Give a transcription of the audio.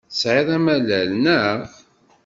Tesɛiḍ amalal, naɣ?